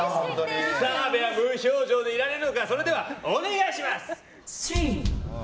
では、無表情でいられるのかそれでは、お願いします！